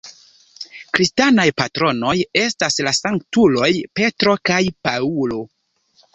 Kristanaj patronoj estas la sanktuloj Petro kaj Paŭlo.